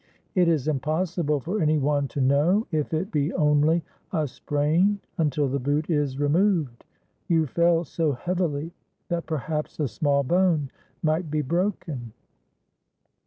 It is impossible for any one to know if it be only a sprain until the boot is removed. You fell so heavily that perhaps a small bone might be broken."